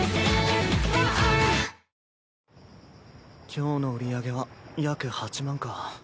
今日の売り上げは約８万か。